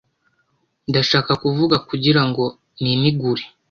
ndashaka kuvuga kugira ngo ninigure